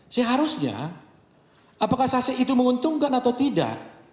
seharusnya apakah saksi itu menguntungkan atau tidak